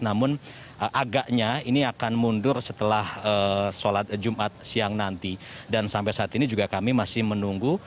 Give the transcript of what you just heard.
namun agaknya ini akan mundur setelah sholat jumat siang nanti dan sampai saat ini juga kami masih menunggu